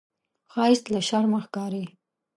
ښایست له شرمه ښکاري